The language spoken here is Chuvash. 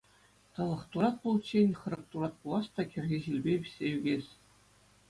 Тӑлӑх турат пуличчен хӑрӑк турат пулас та кӗрхи ҫилпе вӗҫсе ӳкес.